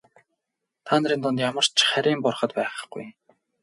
Та нарын дунд ямар ч харийн бурхад байхгүй.